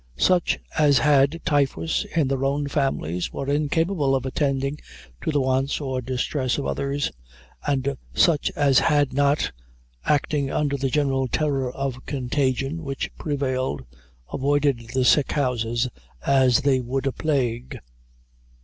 Such as had typhus in their own families were incapable of attending to the wants or distress of others, and such as had not, acting under the general terror of contagion which prevailed, avoided the sick houses as they would a plague.